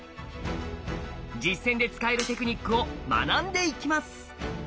実践で使えるテクニックを学んでいきます。